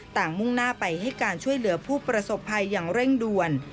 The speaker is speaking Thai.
มุ่งหน้าไปให้การช่วยเหลือผู้ประสบภัยอย่างเร่งด่วน